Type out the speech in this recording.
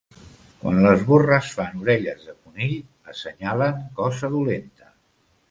Quan les borres fan orelles de conill, assenyalen cosa dolenta.